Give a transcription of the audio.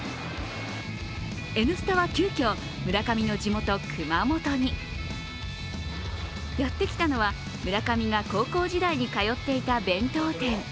「Ｎスタ」は、急きょ村上の地元・熊本に。やってきたのは、村上が高校時代に通っていた弁当店。